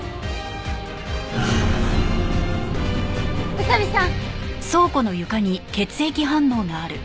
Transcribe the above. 宇佐見さん！